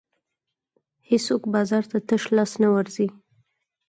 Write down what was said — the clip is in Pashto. هېڅوک بازار ته تش لاس نه ورځي.